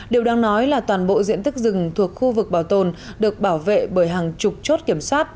điều đang nói là toàn bộ diện tích rừng thuộc khu vực bảo tồn được bảo vệ bởi hàng chục chốt kiểm soát